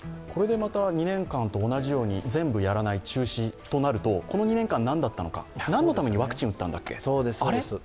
これでまた２年間と同じように全部やらない、中止となると、この２年間何だったのか、何のためにワクチンを打ったんだっけ、あれ？